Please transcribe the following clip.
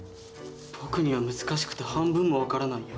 僕には難しくて半分も分からないよ。